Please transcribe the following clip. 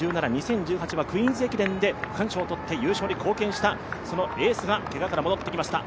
２０１７、２０１８はクイーンズ駅伝で区間賞を取って、優勝に貢献した、そのエースがけがから戻ってきました。